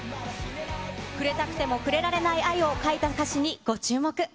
触れたくても触れられない愛を書いた歌詞にご注目。